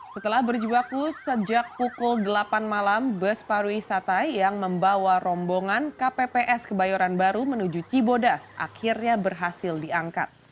setelah berjibaku sejak pukul delapan malam bus pariwisata yang membawa rombongan kpps kebayoran baru menuju cibodas akhirnya berhasil diangkat